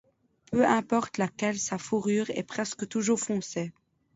Peu importe laquelle, sa fourrure est presque toujours foncée.